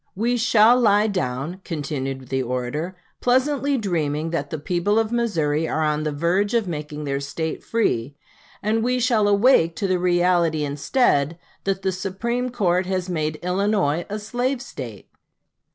We shall lie down," continued the orator, "pleasantly dreaming that the people of Missouri are on the verge of making their State free; and we shall awake to the reality instead, that the Supreme Court has made Illinois a slave State."